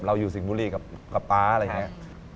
อยู่สิงห์บุรีกับป๊าอะไรอย่างนี้